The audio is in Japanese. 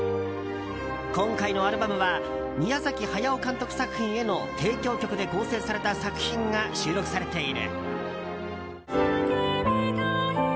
今回のアルバムは宮崎駿監督作品への提供曲で構成された作品が収録されている。